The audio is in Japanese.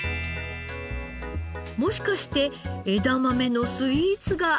もしかして枝豆のスイーツがあるのですか？